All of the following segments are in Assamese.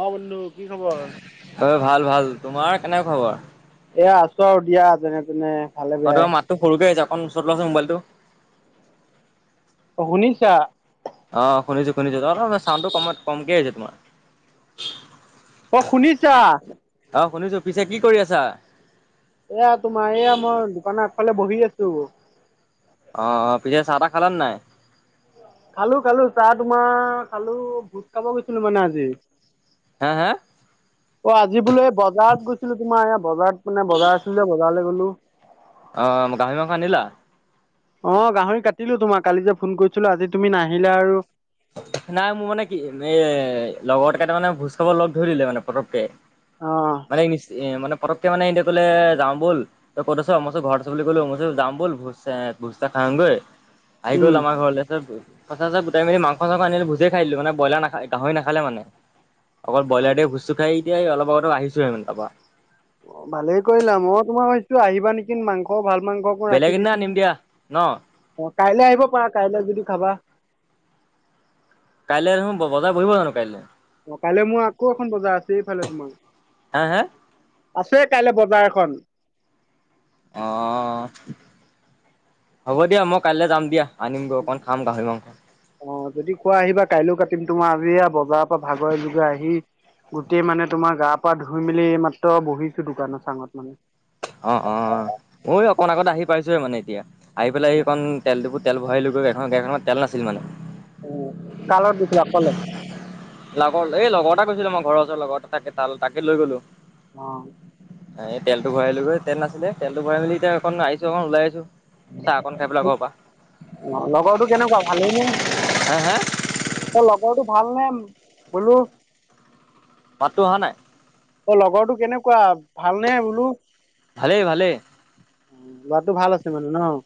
অ', বন্ধু কি খবৰ। অ', ভাল- ভাল তোমাৰ কেনে খবৰ। এ আছো আৰু দিয়া যেনেতেনে। অ', তোমাৰ মাতটো সৰুকে আহিছে অকণ ওচৰত লোৱাছোন মোবাইলটো। অ', শুনিছা। অ', শুনিছো-শুনিছো, অলপমান চাউণ্ডটো কমত কমকে আহিছে তোমাৰ। অ', শুনিছা। অ', শুনিছো পিছে কি কৰি আছা। এয়া তোমাৰ এইয়া মই দোকানৰ আগফালে বহি আছো। অ', পিছে চাহ তাহ খালা নাই। খালো- খালো, চাহ তোমাৰ খালো ভোজ খাব গৈছিলো মানে আজি। হা- হা। অ', আজি বোলো এই বজাৰত গৈছিলো তোমাৰ এ বজাৰত মানে বজাৰ আছিল যে বজাৰলে গ'লো। অ', গাহৰি মাংস আনিলা। অ', গাহৰি কাটিলো তোমাৰ, কালি যে ফোন কৰিছিলো আজি তুমি নাহিলা আৰু। নাই মোৰ মানে কি এ লগৰ কেইটা মানে ভোজ খাব লগ ধৰি দিলে মানে পতককে। অ'। মানে [unintelligible] মানে পটককে মানে ইহঁতে ক'লে যাওঁ ব'ল। তই ক'ত আছ মই কৈছোঁ ঘৰত আছোঁ বুলি ক'লো, [unintelligible] যাওঁ ব'ল ভোজ এ ভুজ এটা খাওঁগৈ। আহি উম। গ'ল আমাৰ ঘৰলে, তাৰপিছত পইচা চইচা গোটাই মেলি মাং [unintelligible] আনিলো ভোজে খাই দিলোঁ মানে ব্ৰইলাৰ নাখায় গাহৰি নাখালে মানে, অকল অ ব্ৰইলাৰ দি ভোজ [unintelligible] এতিয়াই অলপ আগতে আহিছোহে মানে তাৰপৰা। অ', ভালে কৰিলা, মই তোমাৰ ভাবিছো আহিবা নেকি মাংস ভাল মাংস মই বেলেগ ৰাখি এদিনা দিছিলো, আনিম দিয়া ন অ', কাইলে আহিব পাৰা, কাইলে যদি খাবা। কাইলে দেখোন ব বজাৰ বহিব জানো কাইলে। অ, কাইলে মোৰ আকৌ এখন বজাৰ আছে এইফালে তোমাৰ। হা হা আছে কাইলে বজাৰ এখন। অ', হ'ব দিয়া মই কাইলে যাম দিয়া। আনিমগৈ অকণ খাম গাহৰি মাংস। অ, যদি কোৱা আহিবা কাইলৈও কাটিম তোমাৰ, আজি এইয়া বজাৰৰ পা ভাগৰে-জোগৰে আহি গোটেই মানে তোমাৰ গা-পা ধুই মেলি এইমাত্ৰ বহিছো দোকানৰ চাঙত মানে। অ, অ। মইও অকণ আগত আহি পাইছোৱে মানে এতিয়া, আহি পেলাই এই কণ তেলডিপুত তেল ভৰাই দিলোগৈ। গাড়ীখনত-গাড়ীখনত তেল নাছিল মানে। কাৰ লগত গৈছিলা, অকলে? লগৰ এই লগৰ এটা গৈছিলো, মই ঘৰৰ ওচৰৰ লগৰ তাকে তাল তাকে লৈ গ'লো। অ। এ তেলটো ভৰাইলোগৈ, তেল নাছিলে। তেলটো ভৰাই মেলি এতিয়া অকণ আহিছোঁ, অ ওলাই আহিছোঁ। অ, লগৰটো কেনেকুৱা ভালেই নে? হা হা অ, লগৰটো ভাল নে বোলো? মাতটো অহা নাই। অ, লগৰটো কেনেকুৱা, ভালনে বোলো? ভালেই, ভালেই। ল'ৰাটো ভাল আছে মানে ন?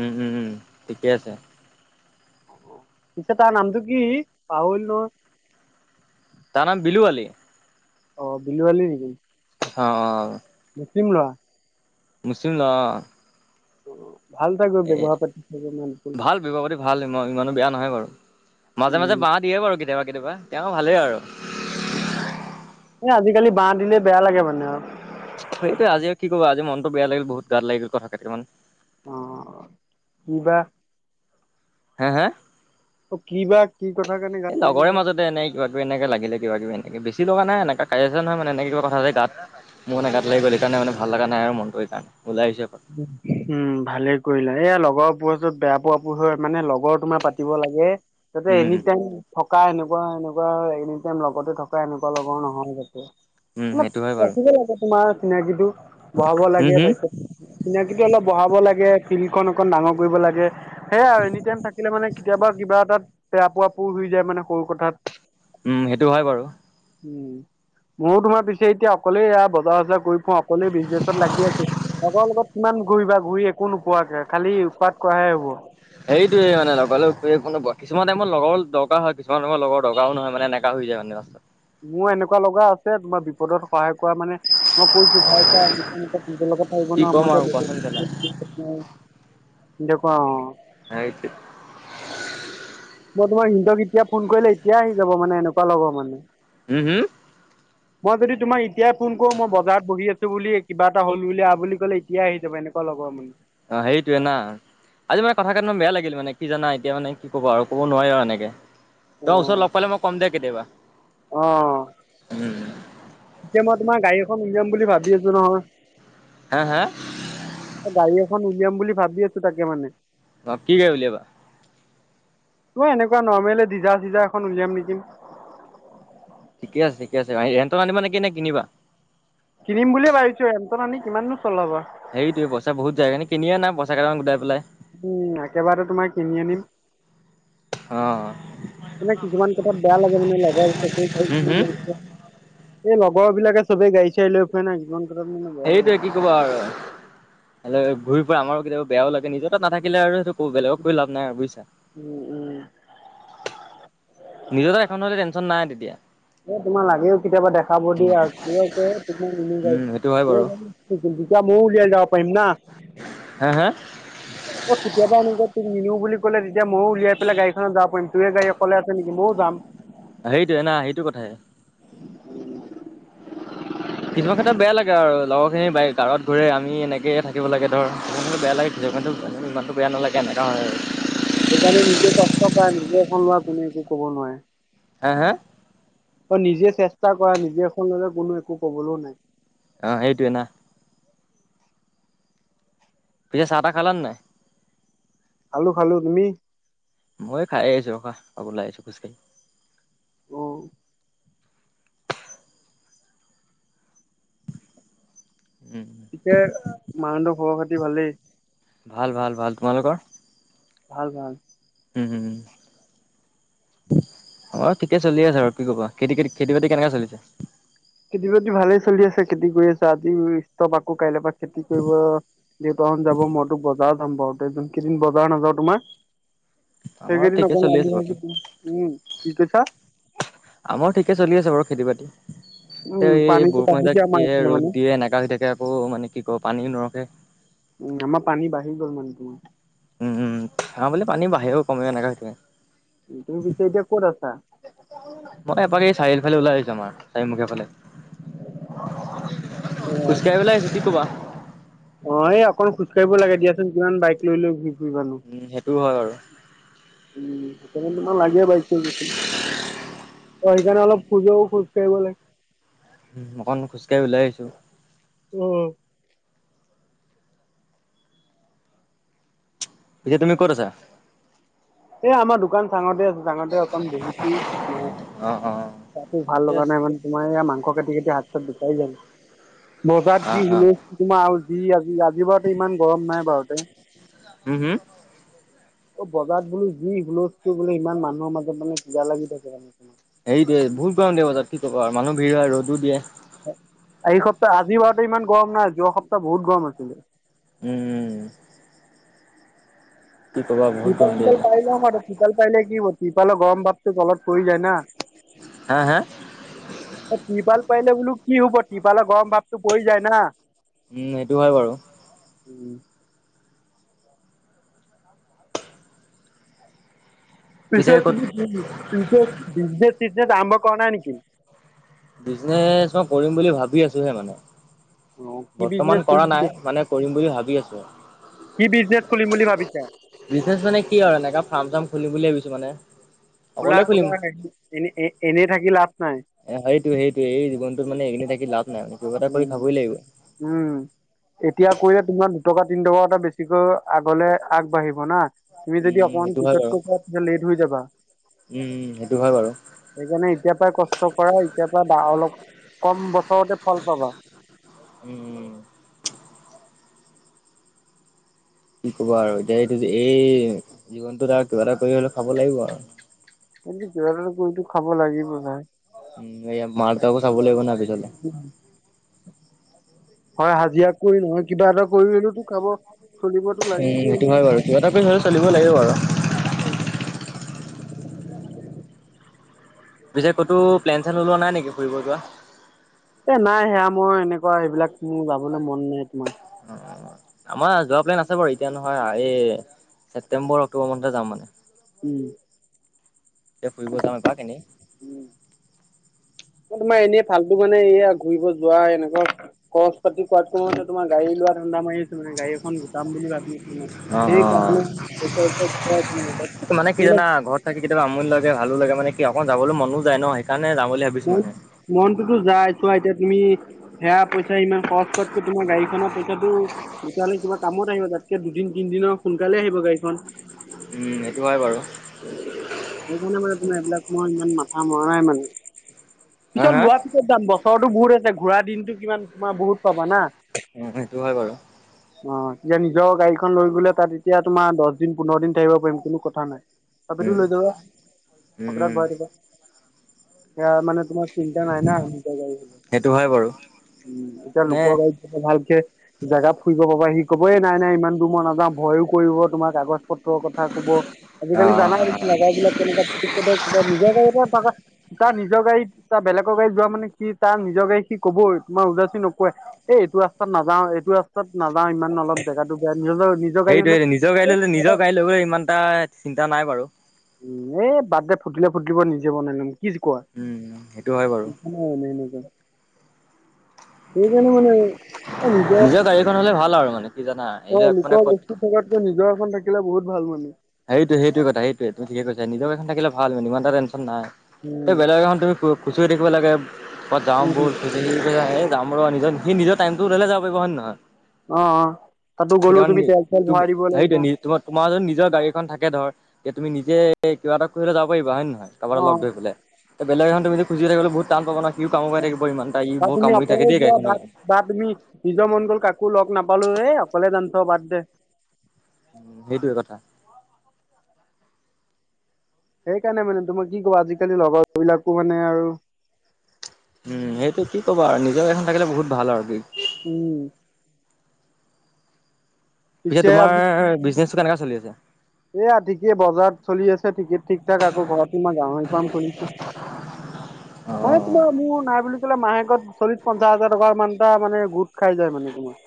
উম-উম-উম, ঠিকে আছে। অ, পিছে তাৰ নামটো কি? পাহৰিলোঁ নহয়। তাৰ নাম বিলু আলী। অ, বিলু আলী নেকি? অ-অ-অ। মুছলিম ল'ৰা। মুছলিম ল'ৰা, অ। অ। ত এ ব্যৱহাৰ পাতি চাগে ভাল ব্যৱহাৰ-পাতি ভাল, ই ইমানো বেয়া নহয় বাৰু। মাজে-মাজে বাঁহ উম দিয়ে বাৰু, কেতিয়াবা- কেতিয়াবা। তেওঁ ভালেই আৰু। এ আজি-কালি বাঁহ দিলে বেয়া লাগে মানে অ। সেইটোৱে, আজি আৰু কি ক'বা, আজি মনটো বেয়া লাগিল বহুত। গাত লাগিল কথা কেটামান। অ, কি বা? হে? হে? অ, কি বা কি কথা কাৰণে গাত লাগিল বা? কিবা-কিবি এনেকে লাগিলে, কিবা-কিবি এনেকে বেছি লগা নাই। এনেকা কাজিয়া-চাজিয়া নহয় মানে এনেকে কিবা কথা এটাতে গাত মোৰ মানে গাত লাগি গ'ল, সেইকাৰণে মানে ভাল লগা নাই আৰু মনটো। এইকাৰণে ওলাই আহিছোঁ অকণ। উম, ভালে কৰিলা। এইয়া লগৰবোৰৰ য'ত বেয়া পোৱা পুই হয়, মানে লগৰ তোমাৰ পাতিব লাগে যাতে উম এনি টাইম থকা এনেকুৱা-এনেকুৱা এনি টাইম লগতে থকা, এনেকুৱা লগৰ নহয় যাতে। উম সেইটো হয় অলপ বাৰু ৰাখিব লাগে তোমাৰ চিনাকিটো, বঢ়াব উম লাগে হম তাৰপিছত চিনাকিটো অলপ বঢ়াব লাগে, ফিল্ডখন অকণ ডাঙৰ কৰিব লাগে। সেইয়াই আৰু এনি টাইম থাকিলে মানে কেতিয়াবা কিবা এটাত বেয়া পোৱা পোই হৈ যায়, মানে সৰু কথাত। উম, সেইটো হয় বাৰু। উম। মইয়ো তোমাৰ পিছে এতিয়া অকলেই এইয়া বজাৰ- চজাৰ কৰি ফুৰাওঁ, অকলেই বিজনেছত লাগি আছো। লগৰ লগত কিমান ঘূৰিবা, ঘূৰি একো নোপোৱা, খালি উৎপাত কৰাহে হ'ব। সেইটোৱে মানে লগৰ লগত ঘূৰি একো নোপোৱা। কিছুমান টাইমত লগৰ দৰকাৰ হয়, কিছুমান টাইমত লগৰ দৰকাৰো নহয়। মানে এনে কা হৈ যায় মানে অ। মোৰ এনেকুৱা লগৰ আছে তোমাৰ বিপদত সহায় কৰা মানে মই কৈছো ভাই চা এনেকুৱা [unintelligible] কি ক'ম লগত আৰু কোৱাচোন কেলা। [unintelligible] দেখুৱা অ। সেইটো মই তোমাৰ সিনতক এতিয়া ফোন কৰিলে এতিয়াই আহি যাব মানে এনেকুৱা লগৰ মানে। উ হু? মই যদি তোমাৰ এতিয়াই ফোন কৰো মই বজাৰত বহি আছো বুলি, কিবা এটা হ'ল বুলি, আহ বুলি ক'লে ইত এতিয়াই আহি যাব, এনেকুৱা লগৰ মানে। অ, সেইটোৱে না। আজি মানে কথা কেটামান বেয়া লাগিল মানে, কি জানা এতিয়া মানে কি ক'বা আৰু ক'ব নোৱাৰি আৰু এনেকে। ত ওচৰত লগ পালে মই কম দে কেতিয়াবা। অ, অ, অ। উম এতিয়া মই তোমাৰ গাড়ী এখন উলিয়াম বুলি ভাবি আছো নহয়। হা? হা? এ গাড়ী এখন উলিয়াম বুলি ভাবি আছো তাকে মানে। অ কি গাড়ী উলিয়াবা? মই এনেকুৱা নৰ্মেলে দিজাৰ চিজাৰ এখন উলিয়াম নেকি। ঠিকে আছে, ঠিকে আছে। গাড়ী ৰেণ্টত আনিবা নেকে নে কিনিবা? কিনিম বুলিয়ে ভাবিছোঁ। ৰেন্টত আনি কিমাননো চলাবা। সেইটোৱে পইচা বহুত যায়। এইকাৰণে কিনি আনা পইচা কেইটামান গোটাই পেলাই। উম একেবাৰতে তোমাৰ কিনি আনিম। অ। মানে কিছুমান কথাত বেয়া লাগে মানে লগৰ হম হম [unintelligible] এই লগৰবিলাকে চবে গাড়ী-চাড়ী লৈ ফুৰে ন একদম। সেইটোৱে কি ক'বা আৰু ঘূৰি ফুৰে আমাৰো কেতিয়াবা বেয়াও লাগে। নিজৰ তাত নাথাকিলে আৰু সেইটো ক' বেলেগক কৈ লাভ নাই আৰু বুইছা। উ-উ। নিজৰ তাত এখন হ'লে টেনচন নাই তেতিয়া। এ তোমাৰ লাগেও কেতিয়াবা দেখাব দিয়ে আৰু উম [unintelligible] সেইটো হয় বাৰু [unintelligible] দুটা মইও উলিয়াই যাব পাৰিম না। হা, হা? অ কেতিয়াবা এনেকে তোক নিনিও বুলি ক'লে তেতিয়া মও উলিয়াই পেলাই গাড়ীখনত যাব পাৰিম, তোৱে গাড়ী অকলে আছে নেকি মও যাম। হেইটোৱে না হেইটো কথাই। কিছুমান ক্ষেত্ৰত বেয়া লাগে আৰু লগৰখিনি বাই কাৰত ঘূৰে। আমি এনেকেয়ে থাকিব লাগে, ধৰ [unintelligible] বেয়া লাগে। জেগাটো ইমানটো বেয়া নালাগে এনেকুৱা হয় আৰু। সেইকাৰণে নিজে কষ্ট কৰা, নিজে এখন লোৱা। কোনে একো ক'ব নোৱাৰে। হা, হা? অ নিজে চেষ্টা কৰা। নিজে এখন ল'লে কোনো একো ক'বলো নাই। অ সেইটোৱে না। পিছে চাহ-তাহ খালা নাই? খালো, খালো। তুমি? মই এই খাই আহিছো ৰখা, অকন ওলাই আহিছো খোজ কাঢ়ি। অ। উম। তে মাহঁতৰ খবৰ-খাতি ভালেই? ভাল, ভাল, ভাল। তোমালোকৰ? ভাল, ভাল। উম, উম, উম। অ ঠিকে চলি আছে আৰু কি ক'বা। খেতি খেতি খেতি-বাতি কেনেকা চলিছে? খেতি-বাতি ভালে চলি আছে। খেতি কৰি আছো, আজি ইষ্টপ আকৌ কাইলৈ পা খেতি কৰিব। দেউতাহঁত যাব। মইটো বজাৰ যাম। [unintelligible] কেইদিন বজাৰ নাযাওঁ, তোমাৰ? আমাৰো সেইকেইদিন ঠিকে অকন চলি আছে বাৰু লাগি-ভাগি দিম। উম কি কৈছা? আমাৰো ঠিকে চলি আছে বাৰু খেতি-বাতি। এ উম এই পানীটো বৰষুণ বাঢ়িছে এজাক আমাৰ দিয়ে, এইফালে মানে ৰ'দ দিয়ে এনেকা হৈ থাকে আকৌ মানে কি ক পানীও নৰখে। উম আমাৰ পানী বাঢ়ি গল মানে তোমাৰ। উ, উ আমাৰ ফালে পানী বাঢ়েও, কমেও এনেকা হৈ থাকে। তু-তুমি পিছে এতিয়া ক'ত আছা? মই এপাক এই চাৰিআলি ফালে ওলাই আহিছো, আমাৰ চাৰিমুখীয়া ফালে। অ খোজকাঢ়িবলে আহিছো কি ক'বা। অ, এই অকন খোজকাঢ়িব লাগে দিয়াচোন। কিমান বাইক লৈ লৈ ঘূৰি ফুৰিবানো। উম সেইটো হয় বাৰু উম, সেইকাৰণে তোমাক লাগে বাইক-চাইক এখন। অ' সেইকাৰণে অলপ খোজোও খোজ কাঢ়িব লাগে। উম, অকন খোজকাঢ়ি ওলাই আহিছো। অ। এতিয়া তুমি ক'ত আছা? এ আমাৰ দোক দোকানখনতে আছো, চাঙতে অকন বহিছো। তোমাৰ অ অ গাতো ভাল ঠিকে লগা আছে নাই ইমান। তোমাৰ এইয়া মাংস কাটি কাটি হাত-চাত বিষাই যায়। বজাৰত অ যি অ হুলস্থূল তোমাৰ আৰু যি আজি আজি বাৰুতে ইমান গৰম নাই বাৰুতে। উ হু? অ' বজাৰত বোলো যি হুলস্থূল বোলে, ইমান মানুহৰ মাজত মানে কিবা লাগি যায় [unintelligible] এইটোৱে, বহুত গৰম দিয়ে বজাৰত কি ক'বা আৰু মানুহ ভিৰ হয়, ৰ'দো দিয়ে। এই সপ্তাহ আজি বাৰুতে ইমান গৰম নাই। যোৱা সপ্তাহ বহুত গৰম আছিলে। উম-উম। ক'বা বহুত গৰম দিয়ে ত্ৰিপাল-শ্ৰিপাল পাৰি লোৱা হয়। তা ত্ৰিপাল পাৰিলে কি হ'ব? ত্ৰিপালৰ গৰম ভাৱটো তলত পৰি যায় না। হা হা? এ ত্ৰিপাল পাৰিলে বোলো কি হ'ব ত্ৰিপালৰ গৰম ভাৱটো পৰি যায় না। উম, এইটো হয় বাৰু। উম। পিছে ক'ত তাৰপিছত তুমি [unintelligible] বিজনেচ-চিজনেছ আৰম্ভ কৰা নাই নেকি? বিজনেচ মই কৰিম বুলি ভাবি আছোহে মানে। অ' কি বৰ্তমান বিজনেচ কৰা খুলিম নাই, বুলি মানে কৰিম বুলি ভাবি আছো কি বিজনেচ খুলিম আৰু। বুলি ভাবিছা? বিজনেছ মানে কি আৰু এনেকা ফাৰ্ম-চাৰ্ম খুলিম বুলি ভাবিছো মানে। খোলা অকলে খুলিম। খোলা, [unintelligible] এনে এ এনেই থাকি লাভ নাই। এ সেইটোৱে সেইটোৱে। এই জীৱনটোত মানে এনেই থাকি লাভ নাই। কিবা এটা উম। কৰি খাবই লাগিব। উম। এতিয়া কৰিলে তোমাৰ দুটকা, তিন টকা এটা বেছিকৈ আগলে আগবাঢ়িব না। তুমি যদি উম অকমান সেইটো হয় বাৰু পিছতকৈ কৰা তেতিয়া লেট হৈ যাবা। উম সেইটো হয় বাৰু। সেইকাৰণে এতিয়া পাই কষ্ট কৰা। এতিয়া পা বা অলপ কম বছৰতে ফল পাবা। উম, উম, উম। কি ক'বা আৰু এতিয়া এইটো এই জীৱনটোত আৰু কিবা এটা কৰি হ'লে খাব লাগিব আৰু। কিন্তু কিবা এটাটো কৰি খাব লাগিবই ভাই। উম, এয়া মা- দেতাকো চাব লাগিব না পিছলে। উম। হয় হাজিৰা কৰি নহয় কিবা এটা কৰি হলেওটো খাব, চলিব উম, সেইটো হয় বাৰু। কিবা এটা কৰি হ'লেও চলিব লাগিব আৰু। পিছে ক'তো প্লেন-শ্লেন ওলোৱা নাই নেকি ফুৰিব যোৱা? এ, নাই সেয়া মই এনেকুৱা সেইবিলাক মোৰ যাবলে মন নাই তোমাৰ। অ, অ, অ। আমাৰ যোৱা প্লেন আছে বাৰু। এতিয়া নহয় আ এই ছেপ্টেম্বৰ, অক্টোবৰ মানতহে যাম মানে। উম। তে ফুৰিব যাম এপাক এনেই। উম। তোমাৰ এনেই ফাল্টু মানে এইয়া ঘূৰিব যোৱা এনেকুৱা কৰছ পাতি কৰাতকে মানে তোমাৰ গাড়ী লোৱা ধান্দা মাৰি আছো মানে গাড়ী এখন গোটাম বুলি ভাবি আছো। [unintelligible] অ [unintelligible] সেইকাৰণে [unintelligible] এইবিলাক তাকে কেতিয়াবা আমনি লাগে, ভালো লাগে। মানে কি আও অকণ যাবলে মনো যায় ন। সেইকাৰণে যাবলে [unintelligible] মনটোতো যায়। চোৱা এতিয়া তুমি সেয়া পইচা ইমান খৰচ কৰাতকৈ তোমাৰ গাড়ীখনৰ পইচাটো তেতিয়াহ'লে কিবা কামত আহিব। তাতকে দুদিন তিনদিনৰ সোনকালে আহিব গাড়ীখন। উম এইটো হয় বাৰু। সেইকাৰণে মানে তোমাৰ এইবিলাক মই ইমান মাথা মৰা নাই মানে। হা পিছত হা লোৱা ক'ত যাম বছৰটো বহুত আছে। ঘূৰা দিনটো কিমান তোমাৰ বহুত পাবা না। উম, সেইটো হয় বাৰু। অ, এতিয়া নিজৰ গাড়ীখন লৈ গ'লে তাত এতিয়া তোমাৰ দছ দিন, পোন্ধৰ দিন থাকিব পাৰিম কোনো কথা নাই। তথাপিতো উম। লৈ যাবা [unintelligible] [unintelligible] উম ভৰাই দিলে সেইয়া মানে তোমাৰ চিন্তা নাই ন নিজৰ গাড়ী। সেইটো হয় বাৰু উম, এতিয়া মানে লোক গাড়ীত ভালকে জেগা ফুৰিব পাবা। সি ক'ব এ নাই নাই ইমান দূৰ মই নাযাওঁ। ভয়ো কৰিব। তোমাক আগত পত্ৰৰ কথা ক'ব। অ আজি-কালি জানাই [unintelligible] লগৰবিলাক কেনেকুৱা [unintelligible] নিজৰ গাড়ী [unintelligible] তাৰ নিজৰ গাড়ীত তাৰ বেলেগৰ গাড়ীত যোৱা মানে কি তাৰ নিজৰ গাড়ী সি ক'বই তোমাৰ উগজাচি নকয়। এ এইটো ৰাস্তাত নাযাও, এইটো ৰাস্তাত নাযাও। ইমান ন [unintelligible] জেগাটো বেয়া নিজৰ নিজৰ নিজৰ গাড়ী হ'লে এ [unintelligible] লৌৰে ইমান টা চিন্তা নাই বাৰু। এ বাদ দে ফুটিলে ফুটিব। নিজে বনাই লম কিচ কোৱা। উম সেইটো হয় বাৰু অ এনেই এনেকুৱা। [unintelligible] নিজৰ গাড়ীখন হ'লে ভাল আৰু মানে কি জানা এই যে এইখন [unintelligible] থকাতকৈ নিজৰ এখন থাকিলে বহুত ভাল মানে। সেইটোৱে সেইটো কথা। সেইটোৱে তুমি ঠিকে কৈছা। নিজৰ গাড়ীখন থাকিলে ভাল মানে ইমান এটা টেনচন নাই। এ উম বেলেগ এখন তুমি খু-খুচৰি থাকিব লাগে। ক'বাত যাওঁ বল [unintelligible] সেই যাম ৰহ নিজ সি নিজৰ টাইম ওললে যাব পাৰিব হয় নে নহয়? অ', অ', তাতো গ'লোও তুমি তেল চেল ভৰাই দিব লাগিব। তোমাৰ-তোমাৰ যদি নিজৰ গাড়ীখন থাকে ধৰ, এতিয়া তুমি নিজে কিবা এটা কৰিলৈ যাব পাৰিবা হয় নে নহয়? কাৰোবাৰ অ লগত গৈ। তে পেলাই বলেগ এখন তুমি খুজি থাকিলে বহু টান পাব ন ইও কামোৰ পাই থাকিব ইমান টা ই বা বৰ তুমি কামৰি থাকে অকলে দেই যোৱা গাড়ীখনৰ বা কাৰণে। বা তুমি নিজৰ মন গ'ল কাকো লগ নাপালোঁ এই অকলে জাম থ বাদ দে। উম সেইটোয়ে কথা। সেইকাৰণে মানে তোমাৰ কি কবা আজিকালি লগৰ বিলাকো মানে আৰু উম, সেইটো কি কবা আৰু নিজৰ গড়ী এখন থাকিলে বহুত ভাল আৰু [unintelligible] উম। পিছে তোমাৰ বিজনেচটো কেনেকা চলি আছে? এয়া ঠিকে বজাৰত চলি আছে ঠিকে ঠিক ঠাক আকৌ ঘৰতো মই গাহৰি ফাৰ্ম খুলিছোঁ। [unintelligible] মানে তোমাৰ মোৰ নাই বুলি ক'লে মাহেকত চল্লিশ পঞ্চাশ হাজাৰ টকা ইমান এটা মানে গোট খাই যায় মানে তোমাৰ।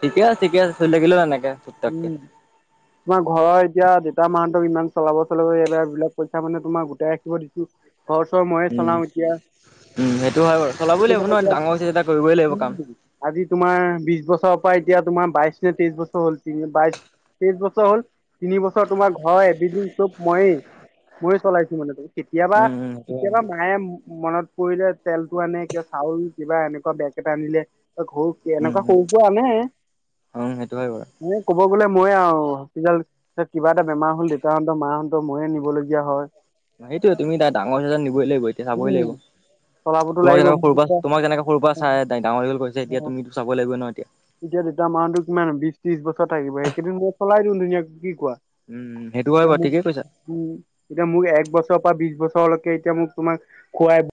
ঠিকে আছে ঠিকে আছে চলি থাকিলে হ'ল এনেকে। চুপ থাককে। উম। তোমাৰ ঘৰৰ এতিয়া দেতা মাহতক ইমান চলাব-চলাব এইবাৰ এইবিলাক পইচা মানে তোমাৰ গোটাই ৰাখিব দিছোঁ। ঘৰ চৰ ময়ে উম চলাওঁ এতিয়া। উম সেইটো হয় বাৰু, চলাবই লাগিব তোমাৰ ন? এতিয়া ডাঙৰ হৈছে যেতিয়া কৰিবই লাগিব কাম। উম আজি তোমাৰ বিশ বছৰৰ পৰা এতিয়া তোমাৰ বাইশ নে তেইশ বছৰ হল। তিনি বাইশ তেইশ বছৰ হল তিনি বছৰ তোমাৰ ঘৰৰ এভৃথিং চব মইয়ে। মইয় চলাইছোঁ মানে তো উম উম সেইটো হয় কেতিয়াবা-কেতিয়াবা মায়ে মনত পৰিলে তেলতটো আনে কা চাউল কিবা এনেকুৱা বেগ এটা আনিলে, ঘৰু উম এনেকুৱা সৰু সুৰা আনে। উম সেইটো হয় বাৰু। মানে ক'ব গ'লে মই আৰু হস্পিটেল ত কিবা এটা বেমাৰ হল দেউতাহঁত মাহঁত ময়ে নিবলগীয়া হয়। সেইটোয়ে তুমি এতিয়া ডাঙৰ হৈছা নিবই লাগিব এতিয়া চাবই লাগিব। উম, চলাবতো তোমাক লাগিব যেনেকে মোক সৰুৰ পৰা এতিয়া তোমাক যেনেকা সৰুৰ পৰা অ', চাই ডাঙৰ দীঘল কৰিছে এতিয়া অ, তুমি তু চাবই লাগিব ন এতিয়া? এতিয়া দেতা মা হঁতে কিমান বিশ ত্ৰিশ বছৰ থাকিব, সেইকেইদিন মই চলাই দিওঁ ধুনীয়াকৈ কি কোৱা? উম, সেইটো হয় এতিয়া বাৰু মোক ঠিকেই কৈছা। উম, এতিয়া মোক এক বছৰৰ পৰা বিশ বছৰলৈকে এতিয়া মোক তোমাক খোৱাই